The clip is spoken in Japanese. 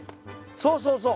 そうそうそう。